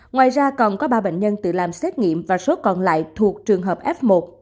ngoài ra còn có ba bệnh nhân tự làm xét nghiệm và số còn lại thuộc trường hợp f một